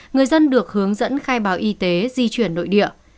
người dân được hướng dẫn khai báo y tế di chuyển nội địa